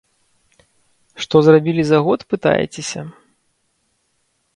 Што зрабілі за год, пытаецеся?